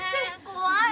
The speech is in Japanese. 怖い。